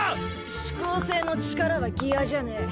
四煌星の力はギアじゃねえ。